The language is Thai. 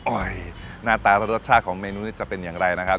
หน้าตาและรสชาติของเมนูนี้จะเป็นอย่างไรนะครับ